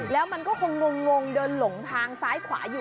แล้วมันก็คงงเดินหลงทางซ้ายขวาอยู่